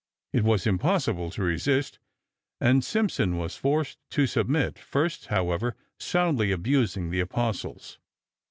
It was impossible to resist, and Simpson was forced to submit, first, however, soundly abusing the apostles.